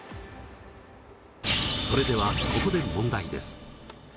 それではここで問題です。